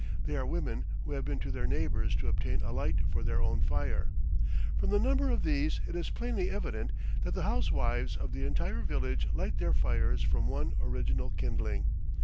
They are women who have been to their neighbors to obtain a light for their own fire. From the number of these it is plainly evident that the housewives of the entire village light their fires from one original kindling.